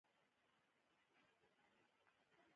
کوټ، کوټ ، کوټ ….